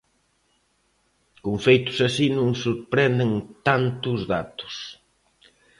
Con feitos así non sorprenden tanto os datos.